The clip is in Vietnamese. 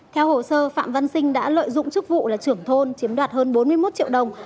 theo hồ sơ phạm văn sinh đã lợi dụng chức vụ là trưởng thôn chiếm đoạt hơn bốn mươi một triệu đồng